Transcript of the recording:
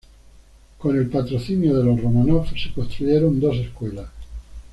Con el patrocinio de los Románov se construyeron dos escuelas.